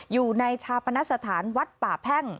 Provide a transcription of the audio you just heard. อยู่ในชาปนสถานวัดป่าแพ่ง